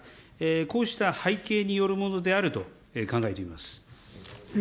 こうした背景によるものであると考えています。